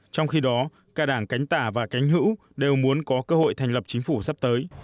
trong khi đó cả đảng cánh tả và cánh hữu đều muốn có cơ hội thành lập chính phủ sắp tới